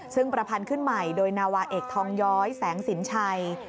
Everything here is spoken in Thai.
ซึ่งประพันธ์ขึ้นใหม่โดยนาวาเอกทองย้อยแสงสินชัย